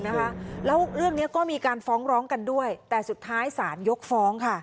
แล้วเรื่องนี้ก็มีการฟ้องร้องกันด้วยแต่สุดท้ายศาลยกฟ้องค่ะ